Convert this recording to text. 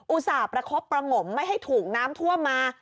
อุตส่าห์ประคบประงมไม่ให้ถูกน้ำท่วมมา